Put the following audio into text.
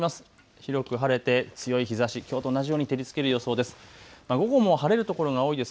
広く晴れて強い日ざし、きょうと同じように照りつける予想です。